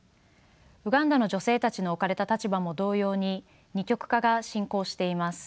ウガンダの女性たちの置かれた立場も同様に二極化が進行しています。